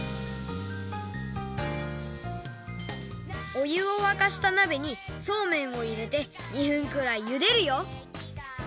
おゆをわかしたなべにそうめんをいれて２分くらいゆでるよ！